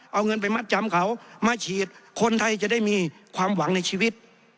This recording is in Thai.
เอาเงินไปมัดจำเขามาฉีดคนไทยจะได้มีความหวังในชีวิต